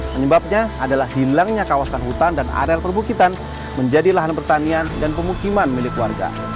penyebabnya adalah hilangnya kawasan hutan dan areal perbukitan menjadi lahan pertanian dan pemukiman milik warga